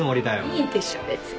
いいでしょ別に。